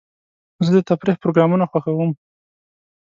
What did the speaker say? زه د تفریح پروګرامونه خوښوم.